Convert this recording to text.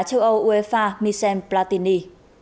châu âu uefa michel platini